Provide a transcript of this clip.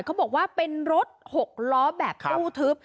เขาบอกว่าเป็นรถ๖ล้อแบบตู้ทึบ